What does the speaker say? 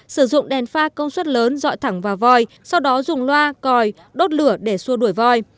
sử dụng đèn pha công suất lớn dọi thẳng vào voi sau đó dùng loa còi đốt lửa để xua đuổi voi